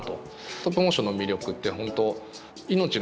ストップモーションの魅力って本当命のないもの